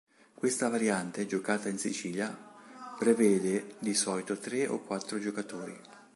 Questa variante, giocata in Sicilia, prevede di solito tre o quattro giocatori.